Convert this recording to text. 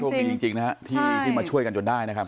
ช่วงมีจริงที่มาช่วยกันจนได้นะครับ